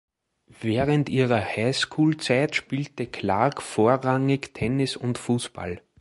Während ihrer Highschool-Zeit spielte Clark vorrangig Tennis und Fußball.